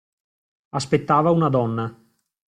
Aspettava una donna.